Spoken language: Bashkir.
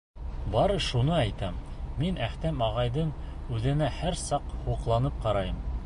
Бары шуны әйтәм: мин Әхтәм ағайҙың үҙенә һәр саҡ һоҡланып ҡарайым.